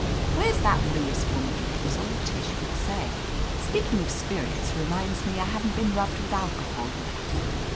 "Where's that Lewis woman ?" was all Tish would say. "Speaking of spirits reminds me I haven't been rubbed with alcohol yet."